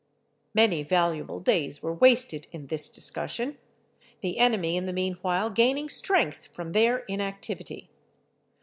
Many valuable days were wasted in this discussion, the enemy in the meanwhile gaining strength from their inactivity.